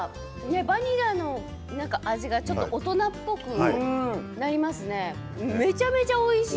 バニラの味が少し大人っぽくなりますね。